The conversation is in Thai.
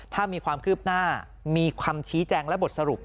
ถ้ามีความคืบหน้ามีคำชี้แจงและบทสรุป